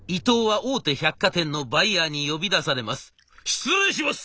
「失礼します！